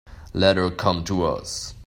Let her come to us.